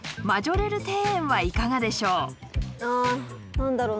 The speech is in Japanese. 何だろう